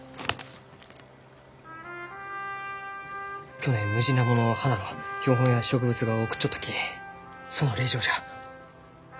去年ムジナモの花の標本や植物画を送っちょったきその礼状じゃ。